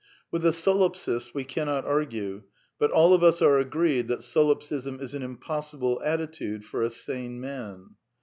" With the Solipsist we cannot argue, but all of us are agreed that Solipsism is an impos sible attitude for a sane man."